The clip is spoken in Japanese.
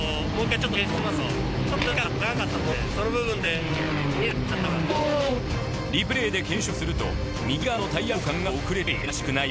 ちょっとリプレイで検証すると右側のタイヤ交換が遅れている。